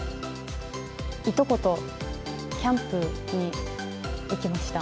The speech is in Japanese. いとこと、キャンプに行きました。